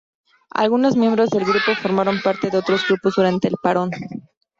Algunos miembros del grupo formaron parte de otros grupos durante el parón.